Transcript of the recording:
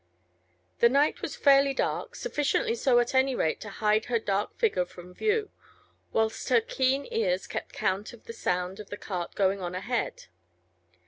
The night was fairly dark, sufficiently so at any rate to hide her dark figure from view, whilst her keen ears kept count of the sound of the cart going on ahead.